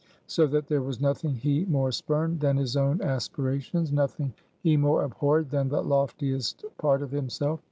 So that there was nothing he more spurned, than his own aspirations; nothing he more abhorred than the loftiest part of himself.